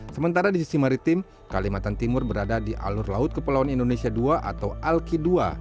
sementara di sisi maritim kalimantan timur berada di alur laut kepulauan indonesia ii atau alki ii